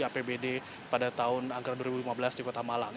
apbd pada tahun anggaran dua ribu lima belas di kota malang